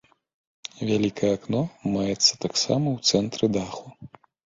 Вялікае акно маецца таксама ў цэнтры даху.